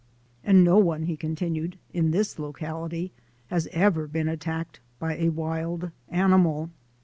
"And no one," he continued, "in this locality has ever been attacked by a wild animal."